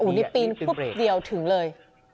อู้นิปรีนปุ๊บเดียวถึงเลย